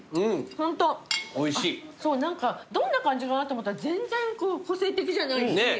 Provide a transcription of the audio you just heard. ホントそう何かどんな感じかなと思ったら全然個性的じゃないし。ねぇ。